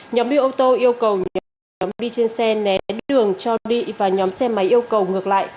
nhóm đi ô tô yêu cầu nhóm đi trên xe né đường cho đi và nhóm xe máy yêu cầu ngược lại